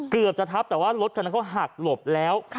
เกือบจะทับแต่ว่ารถคันนั้นเขาหักหลบแล้ว